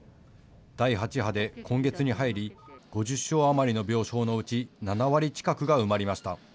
第８波で今月に入り５０床余りの病床のうち、７割近くが埋まりました。